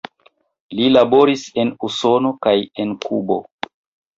Li laboris en Usono kaj en Kubo.